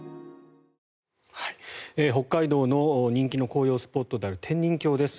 北海道の人気の紅葉スポットである天人峡です。